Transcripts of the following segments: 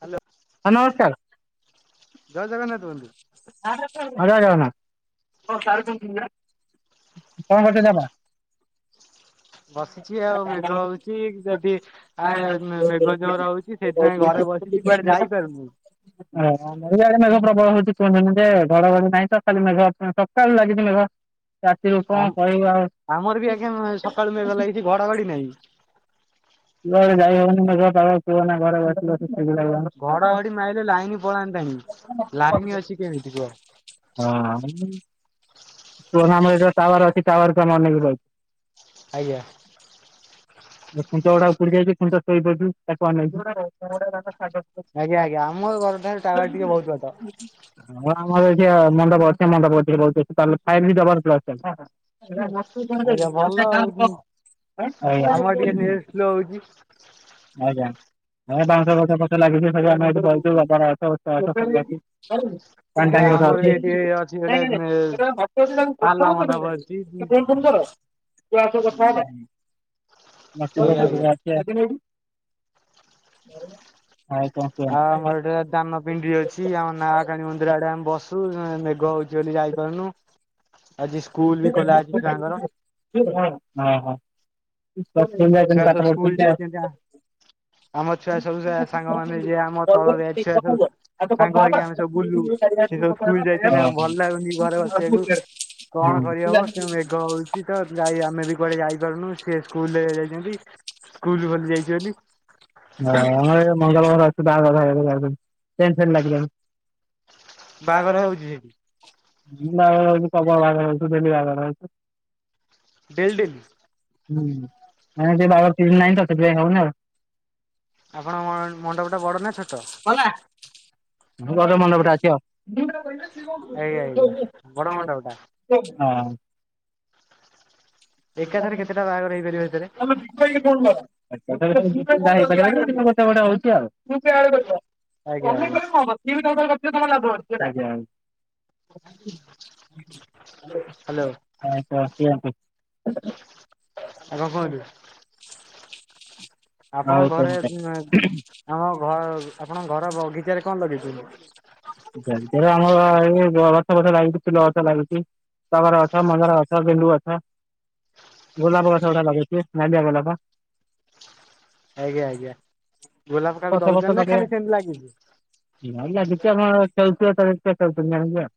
Hello ହ ନମସ୍କାର। ଜୟ ଜଗନ୍ନାଥ ବନ୍ଧୁ [unintelligible] ଜୟ ଜଗନ୍ନାଥ [unintelligible] ବସିଛି ଆଉ କଣ ମେଘ ହଉଛି ଯଦି କରୁଛନ୍ତି ଆ ମେଘ ଜୋର ହଉଛି ଆପଣ? ସେଇଥିପାଇଁ ଘରେ ବସିଛି କୁଆଡେ [unintelligible] ଯାଇପାରୁନି [unintelligible] ମେଘ ପ୍ରବଳ ହଉଛି କୁହୁନ୍ତୁନି ଯେ ଘଡଘଡି ନାହିଁ ଟୋଟାଳି ମେଘ ସକାଳୁ ଲାଗିଛି ମେଘ ରାତିରୁ ଆମ କଣ କହିବ ଆଉ [unintelligible] ଆମର ବି ଆଜ୍ଞା ସକାଳୁ ମେଘ ଲାଗିଛି ଘଡଘଡି ନାହିଁ କୁଆଡେ ଯାଇ ହଉନି ମେଘୁଆ ପାଗ କୁହନା ଘଡଘଡି ଘଡଘଡି ମାରିଲେ ଲାଇନ ପଳାନ୍ତାଣି ଲାଇନ ଅଛି କେମିତି କୁହ। ହଁ-ଅ-ଅ କୁହନା ଆମର ଯ ଟାୱାର ଅଛି ଟାୱାର କୁ ଆମେ ଅନେଇକି ବଇ ଆଜ୍ଞା । ଖୁଣ୍ଟ ଗୁଡା ଉପୁଡି ଯାଇଛି, ଖୁଣ୍ଟ ଶୋଇ ପଡିଛି ତାକୁ ଅନେଇଛୁ। [unintelligible] ଆଜ୍ଞା ଆଜ୍ଞା ଆମ ଘର ଠାରୁ [inaudible] ଟାୱାର ଟିକେ ବହୁତ ବାଟ। ଆମର ଏଠି ମଣ୍ଡପ ଅଛି। ମଣ୍ଡପ ଆଜ୍ଞା ଭଲ ଆଉ ଆମର [unintelligible] [inaudible] ଟିକେ ନେଟ୍ ଶ୍ଲୋ ହୋଉଛି। ଆଜ୍ଞା ହଁ ବାଉଁଶ [unintelligible] ଲାଗଛି [unintelligible] ଆଚ୍ଛା ଆମର ବି ଏଠି [unintelligible] ଅଛି ଗୋଟେ ପାଲା ମଣ୍ଡପ ଅଛି କି ଆସ କଥା ହେବା [inaudible] ଆଜ୍ଞା [unintelligible] ଆଉ ଆମର ଏଟେ ଦାନ ପିଣ୍ଡି ଅଛି। ଆମ ନାହାକଣୀ ମନ୍ଦିର ଆଡେ ଆମେ ବସୁ। ମେଘ ହଉଛି ବୋଲି ଖାଇ ପାରୁନୁ ହଁ ହଁ। [unintelligible] [unintelligible] [unintelligible] ହଁ ହଁ ଛୁଆ ସବୁ ସ୍କୁଲ ଯାଇଛନ୍ତି ଆ ଆମ ଛୁଆ ସବୁ ସାଙ୍ଗମାନେ ଯିଏ ଆମ ତଳ ବ୍ୟାଚ୍ ଛୁଆ ସବୁ ସାଙ୍ଗ ହେଇକି ଆମେ ସବୁ ବୁଲୁ ସେ ସବୁ ସ୍କୁଲ ଯାଇଛନ୍ତି ଆମକୁ ଭଲ ଲାଗୁନି ଘରେ ବସିବାକୁ। [unintelligible] କଣ କରିହବ ସେ ମେଘ ହଉଛି ତ ଯାଇ ଆମେ ବି କୁଆଡେ ଯାଇପାରୁନୁ ସେ ଯାଇଛି ବୋଲି [unintelligible] ହ-ଅ-ଅ-ଅ ମଙ୍ଗଳବାର ବାହାଘର ହଉଛି ସେଠି [unintelligible] [unintelligible] ବେଲଡିନ୍। ହୁଁ [unintelligible] ନାହିଁ ତ ସେଥିପାଇଁ ଖାଉନି ଆଉ। ଆପଣଙ୍କ ଅ-ମ୍ ମଣ୍ଡପ ଟା ବଡ ନା ଛୋଟ? ବଡ଼ ମଣ୍ଡପ ଟା ଅଛି ଏଇ ଏଇ ଆଉ ବଡ ମଣ୍ଡପ ଟା। [unintelligible] ହଁ। ଏକାଥରେ କେତେଟା ବାହାଘର ହେଇପାରିବ [unintelligible] ସେଥିରେ? କେତେ ଗୋଟେ ହଉଛି ଆଜ୍ଞା ଆଜ୍ଞା ଆଉ [unintelligible] ଆଜ୍ଞା ଆଜ୍ଞା ହ୍ୟାଲୋ [unintelligible] ଆଉ କଣ କୁହନ୍ତୁ? ଆଉ ଆପଣଙ୍କ ଘରେ ଆମ ଘ ଆପଣଙ୍କ ଘର ବଗିଚାରେ କଣ ଲଗେଇଚ? କେବଳ ଆମର ଏଇ ଛ ଅଛ ଲାଗିଛି ଫୁଲ ଗଛ ଲାଗିଛି, ଟଗର ଅଛ ମନ୍ଦାର ଗଛ, ଗେଣ୍ଡୁ ଗଛ। ଗୋଲାପ ଗଛ ଗୋଟା ଲଗେଇଛୁ। ନାଳିଆ ଗୋଲାପ। ଆଜ୍ଞା ଆଜ୍ଞା। ଗୋଲାପ ଏ କାହାକୁ ଗଛ ଫଛ ଦଉଛନ୍ତି ନା ଖାଲି ସେମିତି ଲାଗିଛି? ଲଗେଇବା। [unintelligible]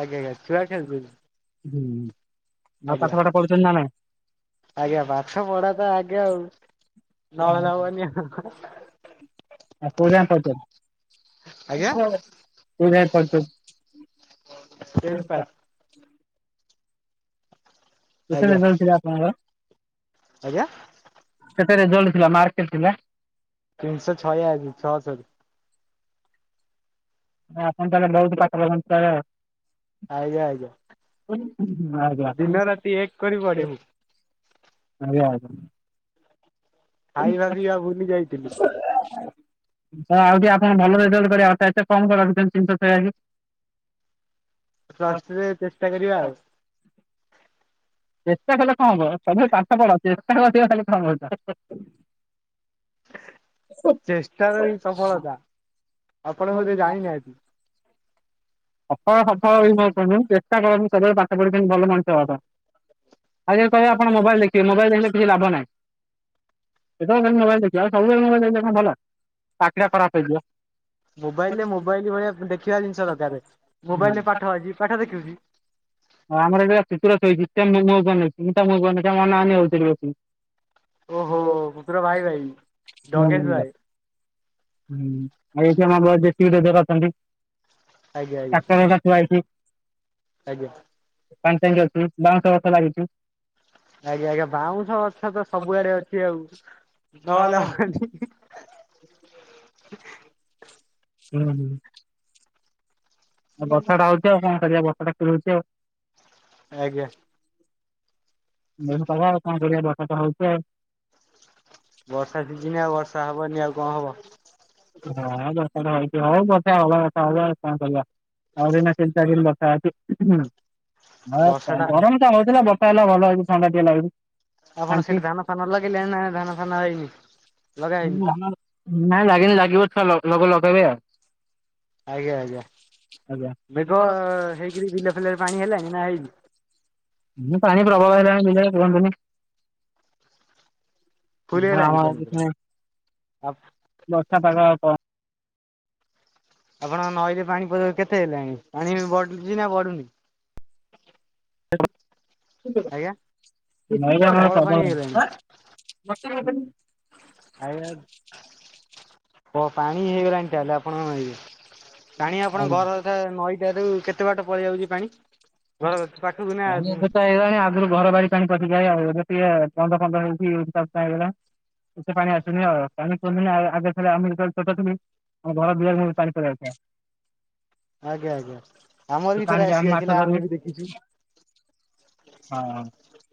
ଆଜ୍ଞା ଆଜ୍ଞା ଛୁଆ ଖେଳୁଛନ୍ତି। ହୁଁ। ଆଉ ପାଠ ଆଜ୍ଞା ପାଠ ପଢୁଛନ୍ତି ନା ନାଇଁ ଆଜ୍ଞା ପାଠ ପଢା ତ ଆଗେ ଆଉ। ନହେଲେ ହବନି ହାଃ ହାଃ। ଆଉ କୋଉଯାଏ ପଢ଼ିଛନ୍ତି ଆଜ୍ଞା କୋଉଯାଏ ପଢ଼ିଛନ୍ତି। ଟେନ୍ଥ ପାସ୍ [unintelligible] କେତେ ଆଜ୍ଞା ରେଜାଲ୍ଟ ଥିଲା ଆପଣଙ୍କର। ଆଜ୍ଞା। କେତେ ରେଜଲ୍ଟ ଥିଲା ମା ତିନିଶହ ଛୟା ଅଶି ଛଅ ଶହରୁ। ଆପଣ ତାହଲେ ବହୁତ ପାଠ ପଢ଼ନ୍ତି ତାହେଲେ। ଆଜ୍ଞା ଆଜ୍ଞା। [unintelligible] ଆଜ୍ଞା। ଦିନ ରାତି ଏକ କରି ପଢେ [unintelligible] ମୁଁ ଆଜ୍ଞା ଆଜ୍ଞା। [inaudible] ତ ଖାଇବା ପିଇବା ଭୁଲି ଯାଇଥିଲି। ଆଉ ଟିକେ ଆପଣ ଭଲ ରେଜଲ୍ଟ କରିବା କଥା। ଏତେ କମ୍ କଣ ରଖିଛନ୍ତି ତିନିଶହ ଛୟାସି। ପ୍ଲସ ଥ୍ରି ରେ ଚେଷ୍ଟା କରିବା ଆଉ। ଚେଷ୍ଟା କଲେ କଣ ହବ ତମେ ପାଠ ପଢ ଚେଷ୍ଟା କରିବା କଥା କଣ କହୁଛ? ଚେଷ୍ଟାର ବି ସଫଳତା ଆପଣ ବୋଧେ ଜାଣିନାହାନ୍ତି। ସଫଳ ସଫଳ [unintelligible] ଚେଷ୍ଟା କରନ୍ତୁ ସବୁବେଳେ ପାଠ ପଢି ସେତି ଭଲ ମଣିଷ ହବା ପାଇଁ । ଆଉ ଯଦି କହିବେ ଆପଣ ମୋବାଇଲ୍ ଦେଖିବେ ମୋବାଇଲ୍ ଦେଖିଲେ କିଛି ଲାଭ ନାହିଁ। କେତେବେଳ କେମିତି ମୋବାଇଲ ଦେଖିବ ଆଉ ସବୁବେଳେ ମୋବାଇଲ ଦେଖିଲେ କଣ ଭଲ ।ଆଖିଟା ଖରାପ ହେଇଯିବ। ମୋବାଇଲ୍ ରେ ମୋବାଇଲ ଭଳିଆ ଅ ଦେଖିବା ଜିନିଷ ଦରକାରେ। ହୁଁ ଆମର ଏଟା ପିଚୁ ରାସ୍ତା [unintelligible] ଯୋଉ ହୁଁ ଓହୋ କୁକୁର ଭାଇ ଭାଇ। ଡଗେଶ ଭାଇ । [unintelligible] ଆଜ୍ଞା ଆଜ୍ଞା ଟାକ୍ଟର ଟା ଥୁଆ ହେଇଚି। ଆଜ୍ଞା ପାଣି ଟାଙ୍କି ଅଛି ବାଉଁଶ ଛ ଲାଗିଛି। ଆଜ୍ଞା ଆଜ୍ଞା ବାଉଁଶ ଗଛ ତ ସବୁଆଡେ ଅଛି ଆଉ। ନହେଲେ ହବନି। [inaudible] [inaudible] ହୁଁ ହୁଁ। ବର୍ଷା ଟା ହଉଛି ଆଉ କଣ କରିବା ବର୍ଷାଟା କୁହୁରୋଉଛି ଆଉ। ଆଜ୍ଞା। ମେଘ ପାଗ ଆଉ କଣ କରିବା ବର୍ଷା ତ ହଉଛି ଆଉ। ବର୍ଷା ସିଜିନ ଆଉ ବର୍ଷା ହବନି ଆଉ କଣ ହବ। ହଁ ଯଦି ତାର ହଉଛି ହଉ । ବର୍ଷା ହବା କଥା ହବ କଣ ଆଉ କରିବା। ଆଉ ଏଇନା ତିନି ଚାରି ଦିନ୍ ବ ବର୍ଷା [unintelligible] ହ ଗରମ ଟା ହଉଥିଲା ବର୍ଷା ହେଲା ଭଲ ହଉଛି ଥଣ୍ଡା ଟିକେ ଲାଗୁଛି। ଆପଣ ଶାନ୍ତି। ସେଠି ଧାନ ଫାନ ଲଗେଇଲେ ନା ଧାନ ଫାନ ହେଇନି। ଲଗା ହେଇନି ଉଁ ଧାନର ନାଇଁ ଲାଗିନି ଲାଗିବ ଏଥ ଲ ଲଗେଇବେ ଆଉ। ଆଜ୍ଞା ଆଜ୍ଞା ଆଜ୍ଞା। ମେଘ ହେଇକିରି ବିଲ ଫିଲରେ ପାଣି ହେଲାଣିି ନା ହେଇନି। ହୁଁ ପାଣି ପ୍ରବଳ ହେଲାଣି ବିଲରେ କୁହନ୍ତୁନି। ଫୁଲ [unintelligible] ହେଲାଣି ପାଣି ପୁରା। ବର୍ଷା ପାଗ କ ଆପଣଙ୍କ ନଈରେ ପାଣି ପଯ କେତେ ହେଲାଣି ପାଣି ବଢୁଛି ନା ବଢୁନି। ଆଜ୍ଞା [unintelligible] ନଈରେ ହଁ କଅଁଳ ପାଣି ପ୍ରବଳ ହେଇଗଲାଣି ପାଣି। ସେପ ଆଜ୍ଞା। ପ ପାଣି ହେଇଗଲାଣି ତାହେଲେ ଆପଣ ପାଣି ଆପଣ ଘର ଟା ନଈଟା ରୁ କେତେ କେତେ ବାଟ ପଳେଇ ଆଉଛି ପାଣି ଘର ପାଖ କୁ ନା ଣି ପ ଆଉ ଟିକେ ପନ୍ଦର ପନ୍ଦର ହେଇଛିଗଲା [unintelligible] ଏତେ ପାଣି ଆସୁନି ଆଉ ପାଣି ଆଉ ଆଗ ଆମଟି [unintelligible] ଆମ ଘର ଦୁଆର ସବୁ ପାଣି ପଳି ଆଉଥିଲା। ଆଜ୍ଞା ଆଜ୍ଞା ସେ ଆମର ବି ଥରେ ପାଣିରେ ଆମେ ମାଛ ଆସିଯାଇଥିଲା ଧରୁ ଆମେ ବି ଦେଖିଛୁ। ହଁ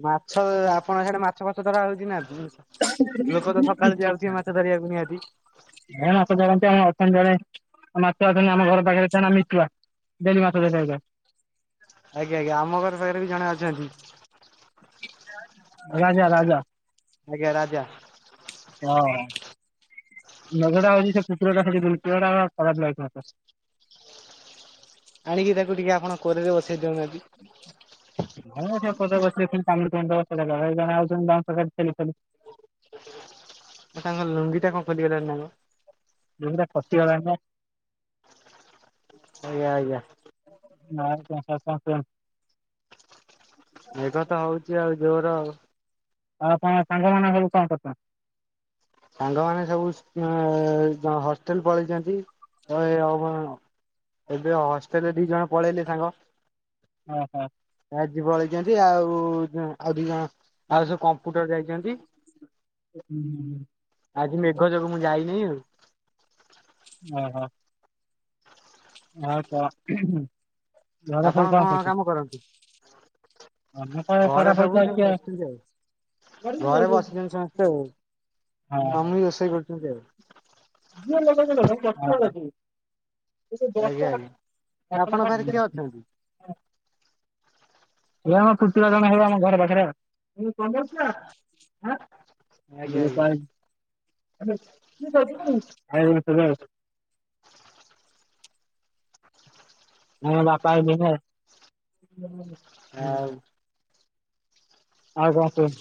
ମାଛ ଆପଣ ସେଆଡେ ମାଛ ଫଛ ଧରା ହଉଛି ନା ଲୋକ ତ ସକାଳୁ ଯାଉଛି ମାଛ ଧରିବାକୁ। ନିହାତି। ଏ ମାଛ ଧରନ୍ତି ଅଛନ୍ତି ଜଣେ ମାଛ ଅଛନ୍ତି ଆମ ଘର ପାଖରେ ତା ନା ମିଟୁଆ ଡେଲି ମା ଆଜ୍ଞା ଆଜ୍ଞା ଆମ ଘର ପାଖରେ ବି ଜଣେ ଅଛନ୍ତି। ରାଜା ରାଜା। ଆଜ୍ଞା ରାଜା। ହଁ। ନଗଡ଼ା ଅବଧି ସେ କୁକୁରା ଟା [unintelligible] ସା ଗୁପୁରଡ଼ା ପ ଲକ ଆଣିକି ତାକୁ ଟିକେ ଆପଣ କୋରରେ ବସେଇ ଦଉନାହାନ୍ତି। ଘଣ ଅଛ କଦଛ [unintelligible] ଚାଲି [unintelligible] ତାଙ୍କ ଲୁଙ୍ଗିଟା କଣ ଖୋଲିଗଲାଣୀ ନା କଣ? ସେଇଟା ଖସିଗଣୀ ବା। ଆଜ୍ଞା ଆଜ୍ଞା। ନଁ କ [unintelligible] ମେଘ ତ ହଉଛି ଆଉ ଜୋର। ପଣ [unintelligible] ସାଙ୍ଗ ମାନେ ସବୁ କଣ କହୁଛନ୍ତି। ସାଙ୍ଗମାନେ ସବୁ ହଷ୍ଟେଲ ପଳେଇଛନ୍ତି। ଓହୋ ଏବେ ହଷ୍ଟେଲରେ ଦି ଜଣ ପଳେଇଲେ ସାଙ୍ଗ। ହଁ ହଁ। ଆଜି ପଳେଇଛନ୍ତି ଆଉ ଆଉ ଦି ଜଣ ଆଉ ସେ କମ୍ପୁଟର ଯାଇଛନ୍ତି। ଆଜି ମେଘ ଯୋଗୁ ମୁଁ ଯାଇନି ଆଉ। ଓ ହୋ। ଆଉ କ ଘର ଆପଣ ସବୁ କଣ କନ୍ କାମ କରନ୍ତି? କରୁଛନ୍ତି। ଆମ ପ [unintelligible] ଘରେ ପରାା ସବୁ ଫଚ ସବୁ ଅଛ ବସିଛନ୍ତି ଆଉ। ଘରେ ବସିଛନ୍ତି ସମସ୍ତେ ଆଉ ମାମି ରୋଷେଇ କରୁଛନ୍ତି ଆଉ। ଯିଏ ଲଗଉଛି ଲଗଉ ଗଛ [unintelligible] ବ ଏ ଆଜ୍ଞା ଆଜ୍ଞା। ଆପଣଙ୍କ ଭ ପାଖରେ କିଏ ଅଛନ୍ତି? [unintelligible] ଇଏ ଆମ ପୁତୁରା ଜଣ ହେବେ ଆମ ଘର ପାଖରେ ଆଉ। ବ କ ଆ ଆଜ୍ଞା ଆଜ୍ଞା। [unintelligible] ହଜ [unintelligible] ଆ ବାପା ଆଇଲେ ଆଉ ଆଉ କଣ କୁହ।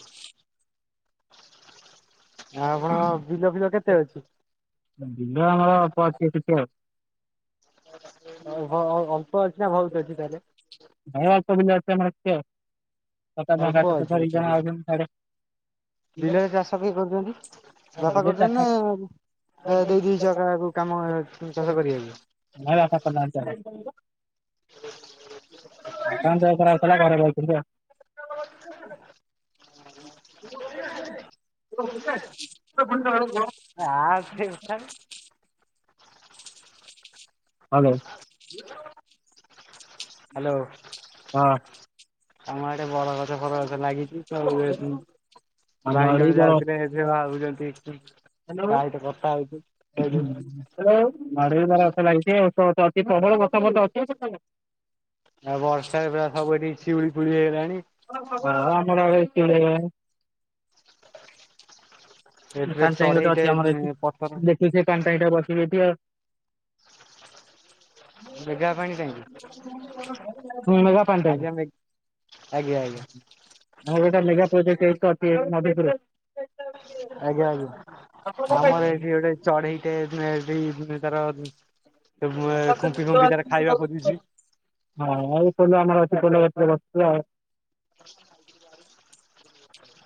ଆ ଆପଣ ବିଲ ଫିଲ କେତେ ଅଛି? ବିଲ ଆମର ଅଳ୍ପ ଅଛି ଟିକେ। ଅଳ୍ପ ଅଛି ନା ବହୁତ ଅଛି ତାହେଲେ ଭାଇବ ଯ ମ କେ ସତ ଅଳ୍ପ ଭଙ୍ଗାଟ ତ ଅଛି ଧାର ଜଣ ତାହେଲେ। ଅ ସା [unintelligible] ବିଲରେ ଚାଷ କିଏ କରୁଛନ୍ତି ବପା ବିଲ କରୁଛନ୍ତି ଚାଷ ନା ଆ ଦେଇଦେଇଛ କହାକୁ କାମ ଚାଷ କରିବାକୁ। ମ ଆପ [unintelligible] ହ ଦୋକାନରେ ଆପଣ ଅଛ ନାଁ ରହୁଛନ୍ତି ଆଉ? [inaudible] ତ ଫୁଣି ଡାଆଳୁ ଆ ସେ କଣ? କଥା ହାଲୋ। ହ୍ୟାଲୋ ହଁ। ଆମ ଆଡ଼େ ବର ଗଛ ଫର ଗଛ ଲାଗିଚି ତ ଏ ଆମ ଭାଇ ଆଡେ ଜଣେ ଯାଉଥୁଲେ ହେ ଯେ ଭାବୁଚନ୍ତି ହଲୋ କହିଲୁ ଉଁହୁଁ ହାଲୋ। ନଡ଼େଇବା ରସ ଲାଗିଚି ଓସ୍ତ ଗଛ ଅଛି ପ୍ରବଳ ଗଛ ଫଛ ଅଛି। ଆ ବର୍ଷା ଏବେ ଆ ସବୁ ଏଠି ଶିଉଳି ଫିଉଳି ହେଇଅଲାଣି। ହଁ ଆମର ଆଡ଼େ ସିଏ ଏଥିରେ ପାଣି ଟାଙ୍କି ଗୋଟେ ଚଢେଇଟେ ଅଛି ଆମର ଏଠି ପଥର ଦେଖିଉ ସେ ପାନ୍ ପ୍ରାଏ ଟା ବସିବି ଏଠି ଆଉ। ମେଘା ପାଣି କାହିଁକି ହୁଁ ନୂଆ ପାଣ୍ ଟାଙ୍କି। ଆଗି ଆଉ ଗୋଟେ ଲେଗା ପ୍ରୋଜେକ୍ଟ୍ ଏଇଥର ଟିଅ ନବେପୁର। ଆଜ୍ଞା ଆଜ୍ଞା ଆମର ଏଠି ଗୋଟେ ଚଢ଼େଇଟେ ମେ ଏଇନେ ତାର ଖୁମ୍ପି ଖୁମ୍ପି ତାର ଖାଇବା ଖୋଜୁଛି ହଁ ଆଉ ତଲେ ଆମର ସାଇକଲ୍ ବେପାରେ ବସଥିଲ। [inaudible]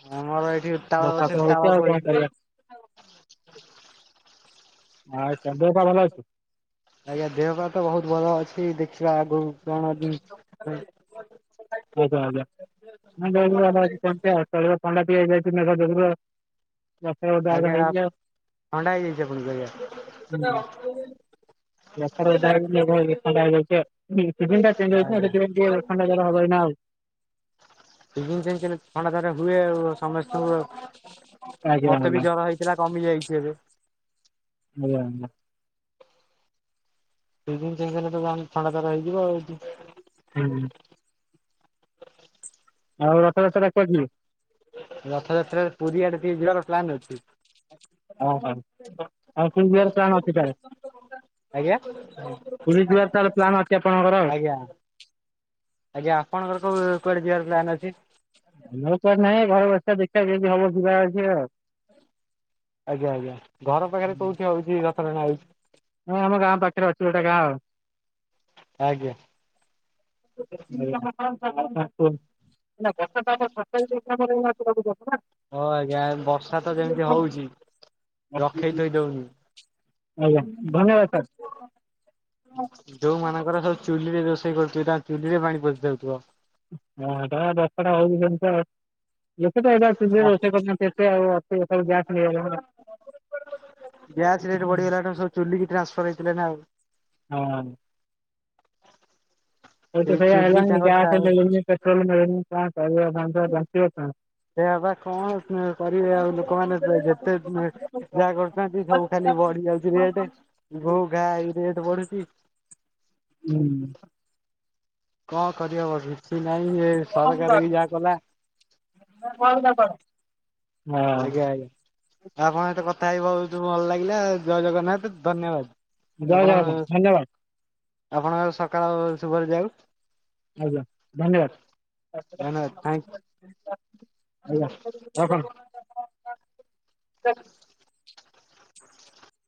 ଆମର ଏଠି ତାଳ ଦେଖା ଗଛ ତ ତାଳ ହୋଇଚି ଆଉ କଣ ଫଳିଛି। କରିବା? ଆଉ ସା ଦେହ ପା ଭଲ ଅଛି? ଆଜ୍ଞା ଦେହ ପା ତ ବହୁତ ଭଲ ଅଛି ଦେଖିବା ଆଗକୁ କଣ ଉଁ ବେଚ ଅଜା ମୁ ଜଇନି [unintelligible] ଆଉ ଥଣ୍ଡା ଟିକେ ହେଇଯାଇଚି ମେଘ ଯୋଗୁରୁ ଆଉ। ଲକ୍ଷେ ଗୋଟେ ଆଗ ଆଜ୍ଞା ହେଇଯାଉ। ଥଣ୍ଡା ହେଇଯାଇଛି ଆପଣଙ୍କୁ ଆଜ୍ଞା ହୁଁ ରଥର ଓଦା ହେଇକି ମେଘ ହେଇକି ଥଣ୍ଡା ହେଇଯା କିଏ ଅଛନ୍ତି କି ସିଜିନ୍ ଟା ଚେଞ୍ଜ୍ ହେଇଚି ନାଁ ସେଥିପାଇଁ ଟିଏ ଥଣ୍ଡା ଜର ହବ ଏ ସିଜିନ୍ ଚେଞ୍ଚ୍ ହେଲେ ଥଣ୍ଡା ଜର ହୁଏ ଆଉ। ସମସ୍ତଙ୍କୁ ଆଜ୍ଞା ମତେ ଆଜ୍ଞା ବି ଜର ହେଇଥିଲା କମି ଯାଇଛି ଏବେ। ମେୟା ଆନଲା। ସିଜିନ୍ ଚେଞ୍ଜ୍ ହେଲେ ତ ବଣି ଥଣ୍ଡା ଜର ହେଇଯିବ ଆଉ। ହୁଁ। ଆଉ ରଥଯାତ୍ର କୁଆଡ଼େ ଯିବେ? ରଥଯାତ୍ରାରେ ପୁରୀ ଆଡ଼େ ଟିକେ ଯିଆର ପ୍ଲାନ୍ ଅଛି। ଆଉ ହଉ ଆଉ ପୁରୀ ଯିବାର ପ୍ଲାନ୍ ଅଛି ତାହେଲେ। ଆଜ୍ଞା ପୁରୀ ଯିବାର ତାହେଲେ ପ୍ଲାନ୍ ଅଛି ଆପଣଙ୍କର ଆଉ। ଆଜ୍ଞା ଆଜ୍ଞା ଆପଣଙ୍କର କୋଉ କୁଆଡ଼େ ଯିବାର ପ୍ଲନ୍ ଅଛି? କି ହବ ଯିବାର ଅଛି ଅଛି। ଆଜ୍ଞା ଆଜ୍ଞା ଘର ପାଖରେ କୋଉଠି ହଉଚି ରଥଟେଣା ହଉ ହଁ ଆମ ଗାଁ ପାଖରେ ଅଛି ଗୋଟେ ଗାଁ ଆଉ। ଆଜ୍ଞା। ଅଇଥା ଆଉ କଁ କୁହ। ହଁ ଆଜ୍ଞା ବର୍ଷା ତ ଯେମିତି ହଉଚି ରଖେଇ ଥୋଇ ଦଉନି। ଆଜ୍ଞା ଧନ୍ୟବାଦ ସାର୍। ଯୋଉମାନଙ୍କର ସବୁ ଚୁଲିରେ ରୋଷେଇ କରୁଥୁବେ ତାଙ୍କ ଚୁଲିରେ ପାଣି ପସି ଯାଉଥୁବ। ହଁ ଟା ଦସ୍ତଟା ହଉଚି ସେମିତି ଆଉ। ଲୋକେ ତ ଏବେ‌ ଆଉ ଚୁଲିରେ ରୋଷେଇ କରୁନାହାନ୍ତି ଏତେ ଆଉ ଅଛି ଏଥର ଗ୍ୟାସ୍ ନେଇଆଇଲେଣି ନାଁ। ଗ୍ୟାସ୍ ରେଟ୍ ବଢ଼ିଗଲା ତମେ ସବୁ ଚୁଲିକି ଟ୍ରାନ୍ସଫର ହେଇଥିଲା ନାଁ ଆଉ। ହଁ। ଓଉ ତ ସେଇ ସେଇଆ ଚୁଲି ହେଲାଣି ତାଙ୍କର ସା ଗ୍ୟାସ୍ ମିଳୁନି ପେଟ୍ରାଲ୍ ମିଳୁନି କଣ କରିବ ମଣିଷ ବଞ୍ଚବ କଣ? ସେଆ ପା କଣ କରିବେ ଆଉ ଲୋକମାନେ ଯେତେ ଯାହା କରୁନ୍ତିଛନ୍ତି ସବୁ ଖାଲି ବଢି ଯାଉଛି ରେଟ ଘୋ ଘା ହେଇ ରେଟ ବଢୁଛି। ହୁଁ। କଣ କରି ହବବି? କିଛି ନାଇଁ ଇଏ ସରକାର ବି ଯାହା କଲା ହଁ ଆଜ୍ଞା ଆଜ୍ଞା ଆଉ ଆପଣଙ୍କ ସହିତ କଥା ହେଇ ବହୁତ ଭଲ ଲାଗିଲା ଜୟ ଜଗନ୍ନାଥ ଧନ୍ୟବାଦ। ଜୟ ଜଗନ୍ନାଥ ଧନ୍ୟବାଦ। ଆପଣଙ୍କ ସକାଳ ଶୁଭରେ ଯାଉ। ଆଜ୍ଞା ଧନ୍ୟବାଦ ଥ୍ୟାଙ୍କ ୟୁ। ଧନ୍ୟବାଦ। ଆଜ୍ଞା ରଖନ୍ତୁ